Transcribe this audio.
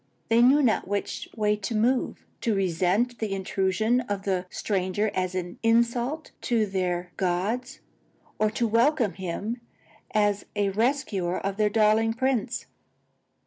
They knew not which way to move: to resent the intrusion of the stranger as an insult to their gods, or to welcome him as the rescuer of their darling prince.